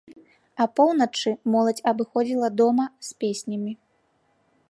Апоўначы моладзь абыходзіла дома з песнямі.